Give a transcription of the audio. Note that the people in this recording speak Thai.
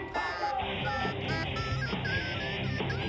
และแพ้๒๐ไฟ